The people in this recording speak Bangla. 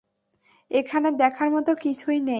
এখানে দেখার মতো কিছুই নেই।